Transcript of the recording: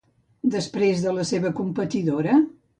Després de la seva competidora?